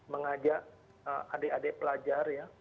mengajak adik adik pelajar ya